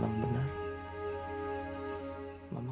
cek kabar mama